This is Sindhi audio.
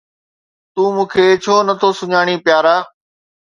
تون مون کي ڇو نٿو سڃاڻين پيارا؟